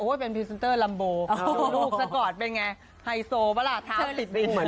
โอ้วเป็นพรีเซนเตอร์ลัมโบลูกสกอร์ดเป็นไงไฮโซปะล่ะท้าวติดดิน